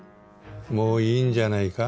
もういいんじゃないか？